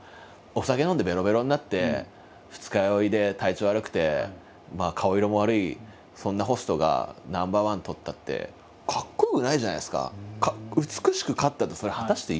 お酒飲んでベロベロになって二日酔いで体調悪くて顔色も悪いそんなホストがナンバーワンとったってかっこよくないじゃないですか。